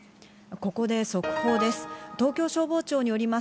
ここで速報です。